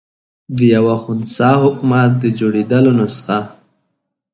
د یوه خنثی حکومت د جوړېدلو نسخه.